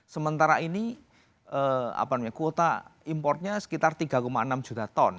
sementara ini kuota importnya sekitar tiga enam juta ton